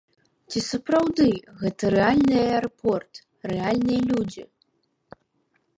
Ці сапраўды, гэта рэальны аэрапорт, рэальныя людзі?